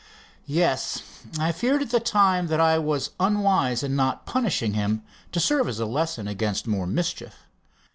"Yes, I feared at the time that I was unwise in not punishing him, to serve as a lesson against more mischief.